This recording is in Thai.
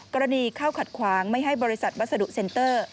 กรณีเข้าขัดขวางไม่ให้บริษัทวัสดุเซ็นเตอร์